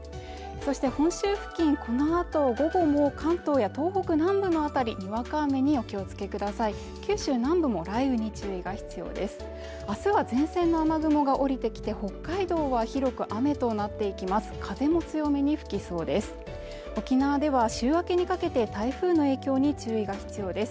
そして本州付近このあと午後も関東や東北南部の辺りにわか雨にお気をつけください九州南部も雷雨に注意が必要です